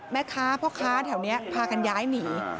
แม่ค้าพ่อค้าแถวนี้พากันย้ายหนี